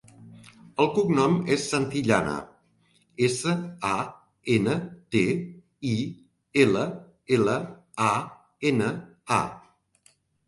El cognom és Santillana: essa, a, ena, te, i, ela, ela, a, ena, a.